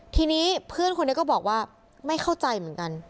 ทีนี้เพื่อนคนนี้ก็บอกว่าไม่เข้าใจเหมือนกัน